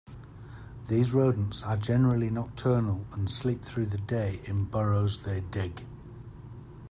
These rodents are generally nocturnal and sleep through the day in burrows they dig.